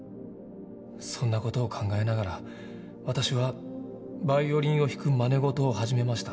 そんな事を考えながら私はバイオリンを弾くまね事を始めました。